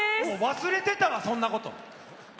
忘れてたわ、そんなこと。